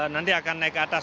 nanti akan naik ke atas